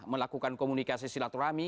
melakukan komunikasi silaturahmi